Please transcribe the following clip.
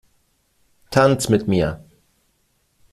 Tanz mit mir!